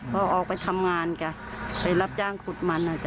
พอออกไปทำงานจ้ะไปรับจ้างขุดมันนะจ๊